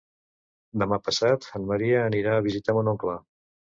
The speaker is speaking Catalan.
Demà passat en Maria anirà a visitar mon oncle.